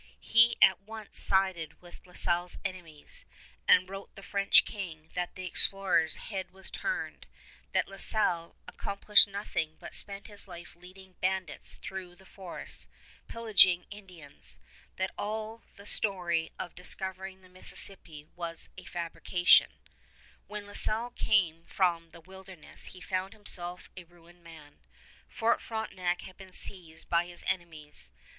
He at once sided with La Salle's enemies, and wrote the French King that the explorer's "head was turned"; that La Salle "_accomplished nothing, but spent his life leading bandits through the forests, pillaging Indians; that all the story of discovering the Mississippi was a fabrication_." When La Salle came from the wilderness he found himself a ruined man. Fort Frontenac had been seized by his enemies.